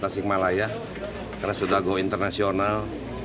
tasik malaya rasudago internasional